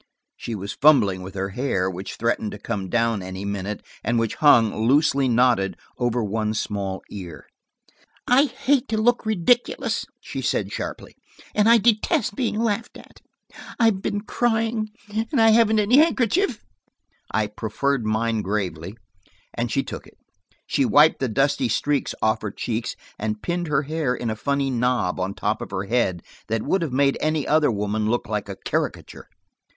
She was fumbling with her hair, which threatened to come down any minute, and which hung, loosely knotted, over one small ear. "I hate to look ridiculous," she said sharply, "and I detest being laughed at. I've been crying, and I haven't any handkerchief." I proffered mine gravely, and she took it. She wiped the dusty streaks off her cheeks and pinned her hair in a funny knob on top of her head that would have made any other woman look like a caricature.